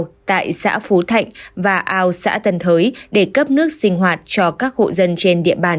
tại xã phú thạnh và ao xã tân thới để cấp nước sinh hoạt cho các hộ dân trên địa bàn